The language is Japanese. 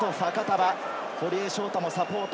堀江翔太もサポート。